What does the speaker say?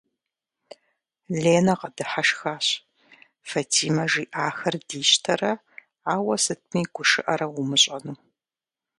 Ленэ къэдыхьэшхащ, Фатимэ жиӀахэр дищтэрэ ауэ сытми гушыӀэрэ умыщӀэну.